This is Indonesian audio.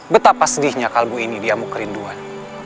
betapa sedihnya kalbu ini diamu kerinduan